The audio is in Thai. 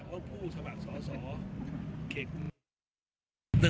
เพราะผู้สมัครสอสอเขต